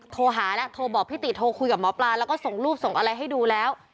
โทรหาแล้วโทรบอกพี่ติโทรคุยกับหมอปลาแล้วก็ส่งรูปส่งอะไรให้ดูแล้ว